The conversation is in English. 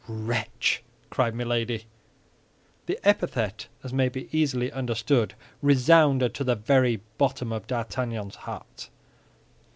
"Wretch!" cried Milady. The epithet, as may be easily understood, resounded to the very bottom of D'Artagnan's heart.